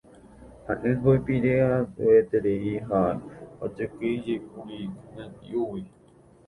Ha'éngo ipire'andueterei ha ohekýijekuri ñati'ũgui.